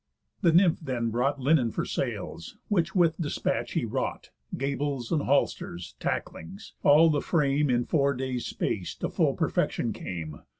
The Nymph then brought Linen for sails, which with dispatch he wrought, Gables, and halsters, tacklings. All the frame In four days' space to full perfection came.